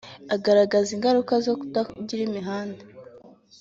Agaragaza ko ingaruka zo kutagira imihanda